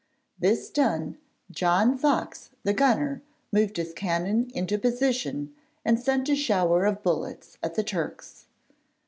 This done, John Fox the gunner moved his cannon into position and sent a shower of bullets at the Turks.